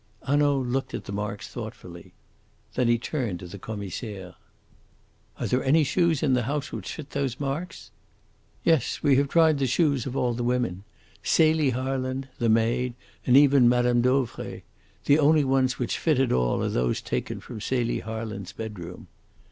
Hanaud looked at the marks thoughtfully. Then he turned to the Commissaire. "Are there any shoes in the house which fit those marks?" "Yes. We have tried the shoes of all the women Celie Harland, the maid, and even Mme. Dauvray. The only ones which fit at all are those taken from Celie Harland's bedroom."